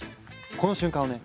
この瞬間をね